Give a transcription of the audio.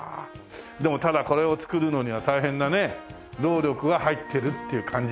でもただこれを作るのには大変なね労力が入ってるっていう感じがしますもんね。